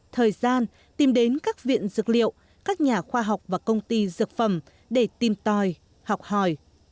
thời gian tìm đến các viện dược liệu các nhà khoa học và công ty dược phẩm để tìm tòi học hỏi